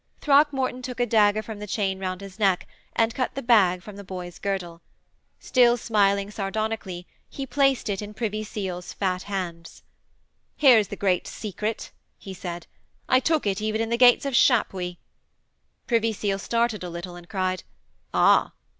Throckmorton took a dagger from the chain round his neck, and cut the bag from the boy's girdle. Still smiling sardonically, he placed it in Privy Seal's fat hands. 'Here is the great secret,' he said. 'I took it even in the gates of Chapuys.' Privy Seal started a little and cried, 'Ah!'